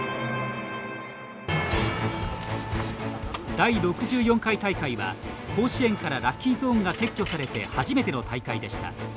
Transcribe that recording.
第６４回大会は甲子園からラッキーゾーンが撤去されて初めての大会でした。